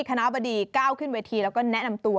คณะบดีก้าวขึ้นเวทีแล้วก็แนะนำตัว